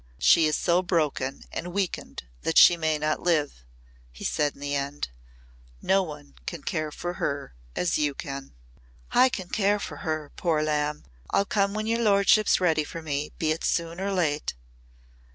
"She is so broken and weakened that she may not live," he said in the end. "No one can care for her as you can." "I can care for her, poor lamb. I'll come when your lordship's ready for me, be it soon or late."